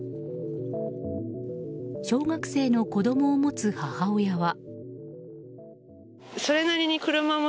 小学生の子供を持つ母親は。